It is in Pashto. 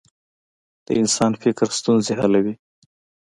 د انسان فکر ستونزې حلوي.